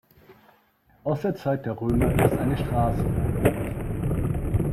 Aus der Zeit der Römer ist eine Strasse nachgewiesen.